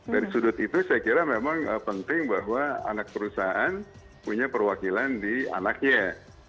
dari sudut itu saya kira memang penting bahwa anak perusahaan punya perwakilan di anaknya